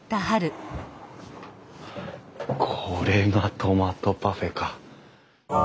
これがトマトパフェか。